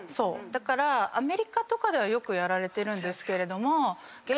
アメリカとかではよくやられてるんですけども。